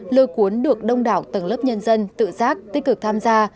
lôi cuốn được đông đảo tầng lớp nhân dân tự giác tích cực tham gia